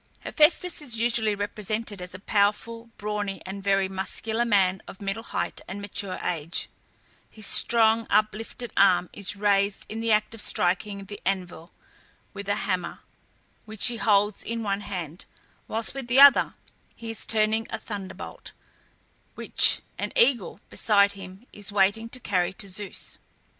Hephæstus is usually represented as a powerful, brawny, and very muscular man of middle height and mature age; his strong uplifted arm is raised in the act of striking the anvil with a hammer, which he holds in one hand, whilst with the other he is turning a thunderbolt, which an eagle beside him is waiting to carry to Zeus.